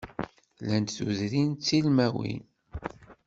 Llant tudrin ttilmawin.